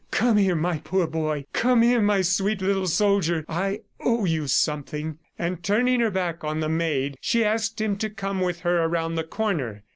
"Come here, my poor boy. ... Come here, my sweet little soldier! ... I owe you something." And turning her back on the maid, she asked him to come with her round the corner.